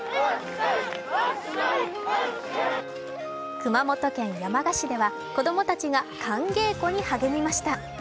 熊本県山鹿市では子供たちが寒稽古に励みました。